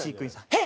えっ！